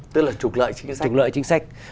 tức là trục lợi chính sách